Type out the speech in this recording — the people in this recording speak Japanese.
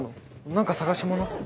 何か捜し物？